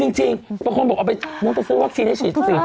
เออจริงคนบอกเอาไปน้องตายซื้อวัคซีนให้ฉีดสีนิดก่อน